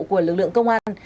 của lực lượng công an